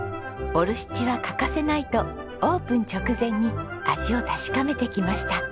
ボルシチは欠かせないとオープン直前に味を確かめてきました。